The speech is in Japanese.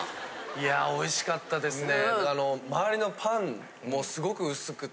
いやおいしかったですね。